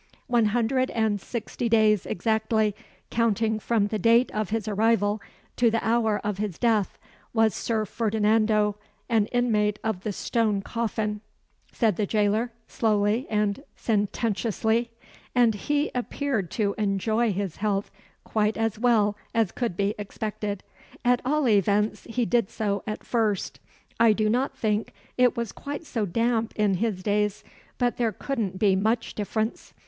"One hundred and sixty days exactly, counting from the date of his arrival to the hour of his death, was Sir Ferdinando an inmate of the 'Stone Coffin,'" said the jailer, slowly and sententiously; "and he appeared to enjoy his health quite as well as could be expected at all events, he did so at first. I do not think it was quite so damp in his days but there couldn't be much difference.